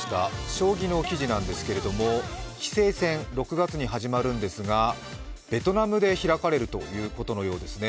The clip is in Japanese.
将棋の記事なんですけれども、棋聖戦、６月に始まるんですが、ベトナムで開かれるということのようですね。